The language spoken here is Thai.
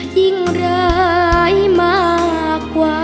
ยิ่งร้ายมากกว่า